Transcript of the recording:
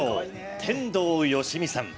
天童よしみさん。